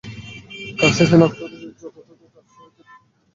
কাজ শেষে নকশা অনুযায়ী যতটুকু কাজ হয়েছে, ততটুকুর বিল দেব আমরা।